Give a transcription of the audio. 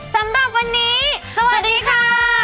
สำหรับวันนี้สวัสดีค่ะ